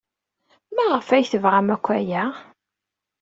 Maɣef ay tebɣam akk aya?